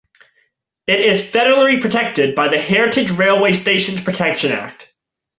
It is federally protected by the Heritage Railway Stations Protection Act.